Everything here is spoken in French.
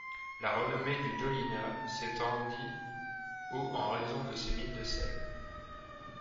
La renommée de Dolyna s'étendit au en raison de ses mines de sel.